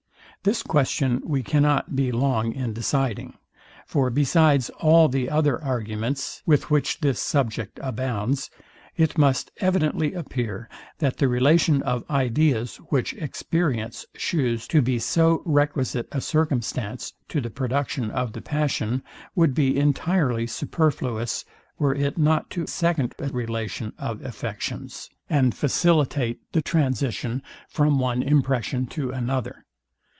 This question we cannot be long in deciding, For besides all the other arguments, with which this subject abounds, it must evidently appear, that the relation of ideas, which experience shews to be so requisite a circumstance to the production of the passion, would be entirely superfluous, were it not to second a relation of affections, and facilitate the transition from one impression to another.